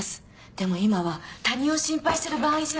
でも今は他人を心配してる場合じゃ。